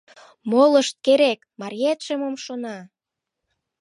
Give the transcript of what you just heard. Молышт керек, мариетше мом шона!